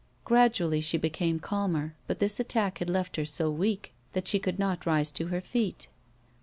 Gradually she became calmer, but this attack had left her so weak that she could not rise to her feet.